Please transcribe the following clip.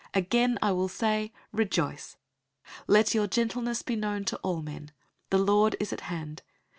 Again I will say, Rejoice! 004:005 Let your gentleness be known to all men. The Lord is at hand.